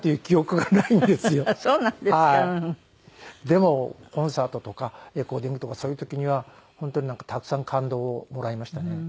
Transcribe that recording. でもコンサートとかレコーディングとかそういう時には本当にたくさん感動をもらいましたね。